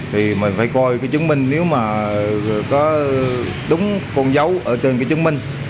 thì mình phải coi cái chứng minh nếu mà có đúng con dấu ở trên cái chứng minh